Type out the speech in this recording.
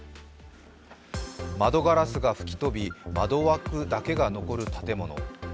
窓ガラスが吹き飛び、窓枠だけが残る建物。